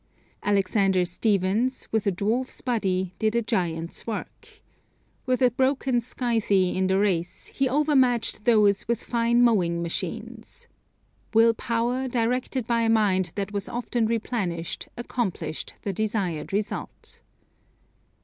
Alexander Stephens, with a dwarf's body, did a giant's work. With a broken scythe in the race he over matched those with fine mowing machines. Will power, directed by a mind that was often replenished, accomplished the desired result.